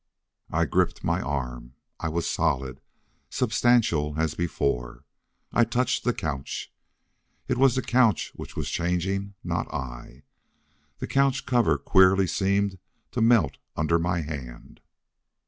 I gripped my arm. I was solid, substantial as before. I touched the couch. It was the couch which was changing, not I! The couch cover queerly seemed to melt under my hand!